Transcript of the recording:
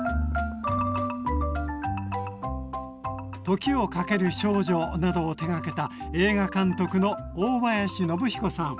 「時をかける少女」などを手がけた映画監督の大林宣彦さん。